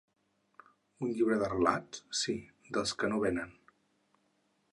Un llibre de relats, sí, dels que no venen.